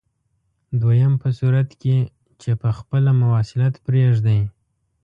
دویم په صورت کې چې په خپله مواصلت پرېږدئ.